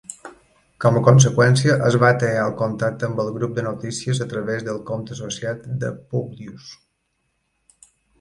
Com a conseqüència, es va tallar el contacte amb el grup de notícies a través del compte associat de Publius.